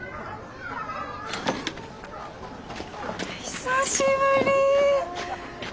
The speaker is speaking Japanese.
久しぶり。